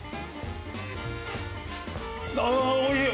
ああおいしい！